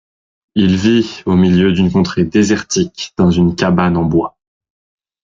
Il vit au milieu d'une contrée désertique dans une cabane en bois.